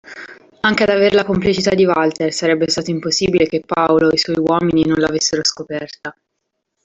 Anche ad aver la complicità di Walter, sarebbe stato impossibile che Paolo o i suoi uomini non l'avessero scoperta.